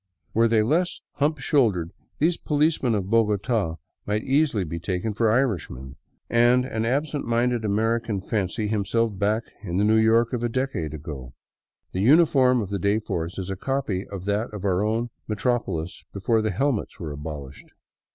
Were they less hump shouldered, these policemen of Bogota might easily be taken for Irishmen, and an absent minded American fancy himself back in the New York of a decade ago. The uniform of the day force is a copy of that of our own metropolis before the helmets were abolished.